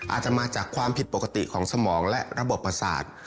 อาจจะมาจากความผิดปกติของสมองและระบบประสาท